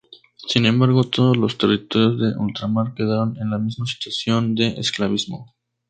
Sin embargo, todos los territorios de ultramar quedaron en la misma situación de esclavismo.